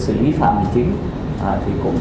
xử lý phạm chính thì cũng